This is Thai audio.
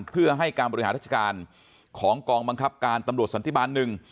เพื่อให้การบริหารราชการของกองบังคับการตำรวจสันติบาลหนึ่ง